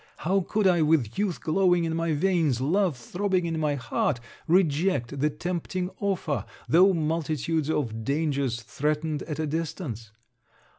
How could I, with youth glowing in my veins, love throbbing in my heart, reject the tempting offer, though multitudes of dangers threatened at a distance.